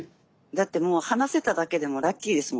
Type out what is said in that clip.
だってもう話せただけでもラッキーですもん。